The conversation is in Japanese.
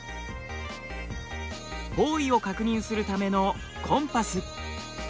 方位を確認するためのコンパス。